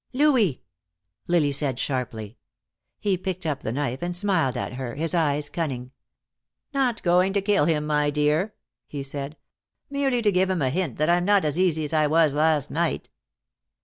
"Louis!" Lily said sharply. He picked up the knife and smiled at her, his eyes cunning. "Not going to kill him, my dear," he said. "Merely to give him a hint that I'm not as easy as I was last night."